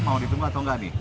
mau ditunggu atau nggak nih